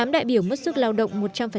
tám đại biểu mất sức lao động một trăm linh